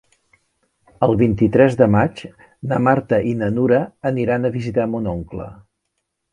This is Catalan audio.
El vint-i-tres de maig na Marta i na Nura aniran a visitar mon oncle.